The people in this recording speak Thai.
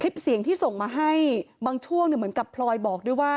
คลิปเสียงที่ส่งมาให้บางช่วงเหมือนกับพลอยบอกด้วยว่า